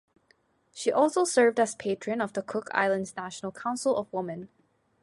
She also served as patron of the Cook Islands National Council of Women.